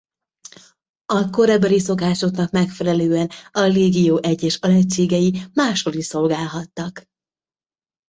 A korabeli szokásoknak megfelelően a légió egyes alegységei máshol is szolgálhattak.